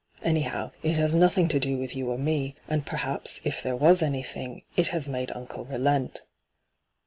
Anyhow, it has nothing to do with you or me ; and perhaps, if there was anything, it has made uncle relent.'